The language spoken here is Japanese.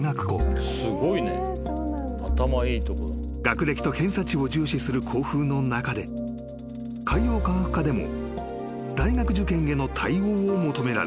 ［学歴と偏差値を重視する校風の中で海洋科学科でも大学受験への対応を求められた］